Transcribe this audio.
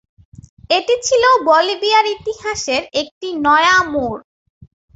এটি ছিল বলিভিয়ার ইতিহাসের একটি নয়া মোড়।